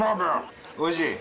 おいしい？